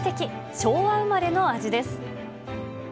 昭和生まれの味です。